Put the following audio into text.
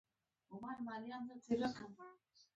فریدګل یو خوش طبیعته او ښه ځوان و